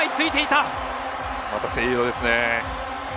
またセイエドですね。